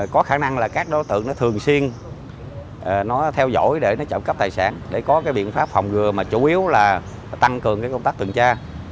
có khả năng là các đối tượng thường xuyên theo dõi để trộm cắp tài sản để có biện pháp phòng vừa mà chủ yếu là tăng cường công tác từng cha